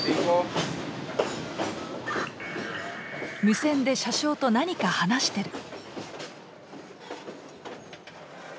無線で車掌と何か話してる。